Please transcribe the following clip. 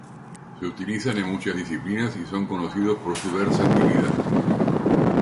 Se utilizan en muchas disciplinas y son conocidos por su versatilidad.